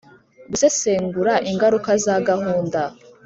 gusesengura ingaruka za gahunda